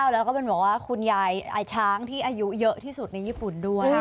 แล้วก็เป็นบอกว่าคุณยายช้างที่อายุเยอะที่สุดในญี่ปุ่นด้วย